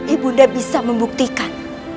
ibu nda bisa membuktikan